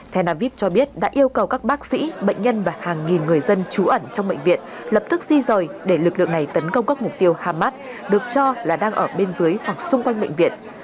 tel aviv cho biết đã yêu cầu các bác sĩ bệnh nhân và hàng nghìn người dân trú ẩn trong bệnh viện lập tức di rời để lực lượng này tấn công các mục tiêu hamas được cho là đang ở bên dưới hoặc xung quanh bệnh viện